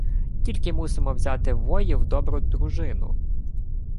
— Тільки мусимо взяти воїв добру дружину.